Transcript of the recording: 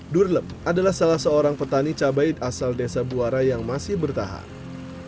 durlem adalah salah seorang petani cabai asal desa buara yang masih bertahan